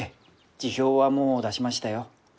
辞表はもう出しましたよ。